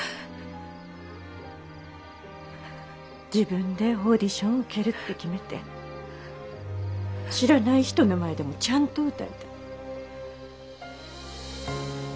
自分でオーディションを受けるって決めて知らない人の前でもちゃんと歌えた。